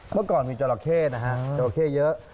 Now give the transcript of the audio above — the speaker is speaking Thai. เมื่อก่อนมีเจราะเทนะครับเจราะเทเยอะ